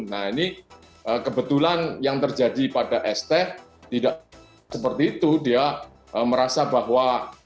nah ini kebetulan yang terjadi pada st tidak seperti itu dia merasa bahwa